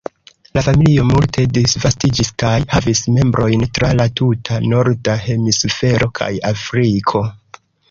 La familio multe disvastiĝis kaj havis membrojn tra la tuta norda hemisfero kaj Afriko.